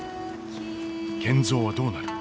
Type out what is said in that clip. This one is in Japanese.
賢三はどうなる？